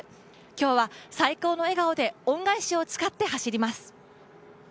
今日は最高の笑顔で恩返しを使って走ります。